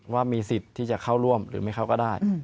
ว่ามีสิทธิ์ที่จะเข้าร่วมหรือไม่เขาก็ได้